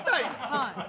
はい。